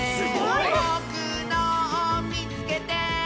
「ぼくのをみつけて！」